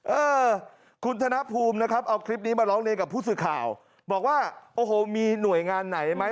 เออคุณธนภูมินะครับเอาคลิปนี้มาร้องเรียนกับผู้สื่อข่าวบอกว่าโอ้โหมีหน่วยงานไหนไหม